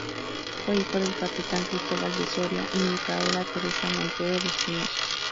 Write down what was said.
Fue hijo del capitán Cristóbal de Soria y Micaela Teresa Montero de Espinosa.